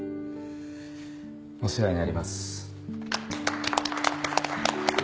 お世話になります。